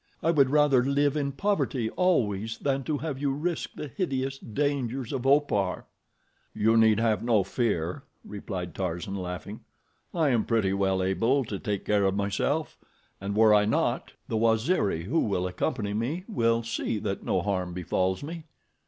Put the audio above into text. I would rather live in poverty always than to have you risk the hideous dangers of Opar." "You need have no fear," replied Tarzan, laughing. "I am pretty well able to take care of myself, and were I not, the Waziri who will accompany me will see that no harm befalls me."